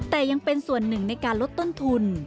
แต่ยังเป็นส่วนหนึ่งในการลดต้นทุน